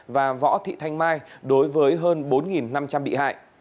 và võ thị thanh mai đối với hơn bốn năm trăm linh bị hại